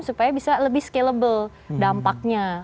supaya bisa lebih scalable dampaknya